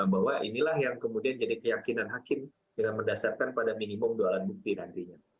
bahwa inilah yang kemudian jadi keyakinan hakim dengan mendasarkan pada minimum dua alat bukti nantinya